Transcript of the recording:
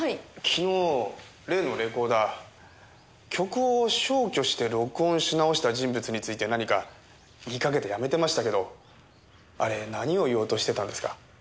昨日例のレコーダー曲を消去して録音し直した人物について何か言いかけてやめてましたけどあれ何を言おうとしてたんですか？